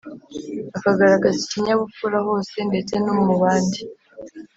akagaragaza ikinyabupfura hose ndetse numubandi